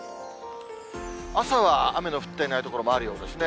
朝は雨の降っていない所もあるようですね。